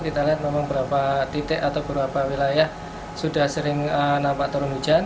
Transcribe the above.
kita lihat memang beberapa titik atau beberapa wilayah sudah sering nampak turun hujan